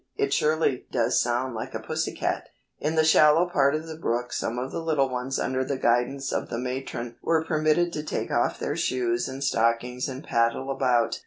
"It surely does sound like a pussy cat." In the shallow part of the brook some of the little ones under the guidance of the matron were permitted to take off their shoes and stockings and paddle about.